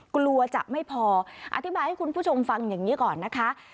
กลัวจะไม่พออธิบายให้คุณผู้ชมฟังอย่างนี้ก่อนนะคะ